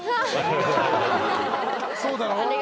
そうだろ？